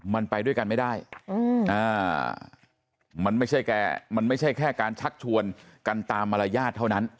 มันไปด้วยกันไม่ได้มันไม่ใช่แค่มันไม่ใช่แค่การชักชวนกันตามมารยาทเท่านั้น